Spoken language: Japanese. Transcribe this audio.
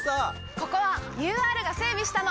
ここはＵＲが整備したの！